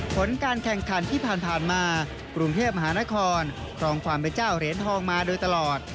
ผลการแข่งขันที่ผ่านมากรุงเทพมหานครครองความเป็นเจ้าเหรียญทองมาโดยตลอด